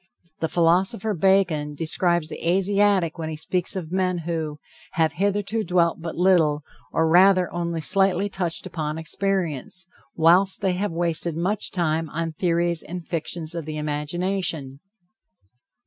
The philosopher Bacon describes the Asiatic when he speaks of men who "have hitherto dwelt but little, or rather only slightly touched upon experience, whilst they have wasted much time on theories and fictions of the imagination."